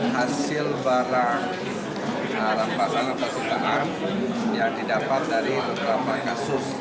hasil barang lampasan atau dugaan yang didapat dari beberapa kasus